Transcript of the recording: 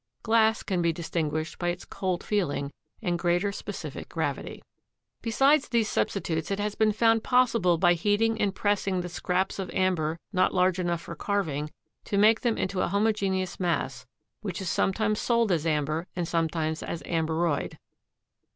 Glass can be distinguished by its cold feeling and greater specific gravity. Besides these substitutes it has been found possible by heating and pressing the scraps of amber not large enough for carving to make them into a homogeneous mass which is sometimes sold as amber and sometimes as amberoid.